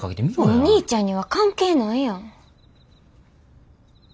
お兄ちゃんには関係ないやん。